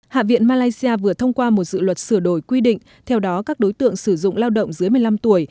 hạ viện malaysia vừa thông qua một dự luật sửa đổi quy định theo đó các đối tượng sử dụng lao động dưới một mươi năm tuổi